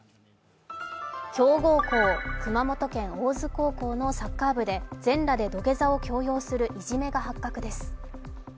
強豪校、熊本県・大洲高校のサッカー部で全裸で土下座を強要するいじめが発覚です。